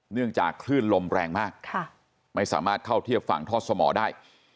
เนื่องจากคลื่นลมแรงมากไม่สามารถเข้าเทียบฝั่งทอดสมอได้